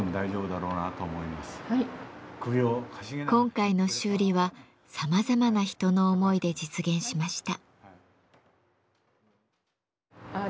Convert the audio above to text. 今回の修理はさまざまな人の思いで実現しました。